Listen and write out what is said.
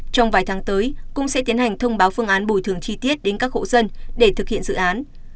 trong vài tháng tới cũng sẽ tiến hành thông báo phương án bồi thường chi tiết đến các hộ dân để thực hiện dự án